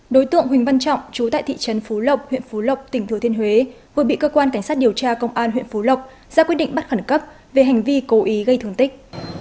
đối tượng huỳnh văn trọng chú tại thị trấn phú lộc huyện phú lộc tỉnh thừa thiên huế vừa bị cơ quan cảnh sát điều tra công an huyện phú lộc ra quyết định bắt khẩn cấp về hành vi cố ý gây thương tích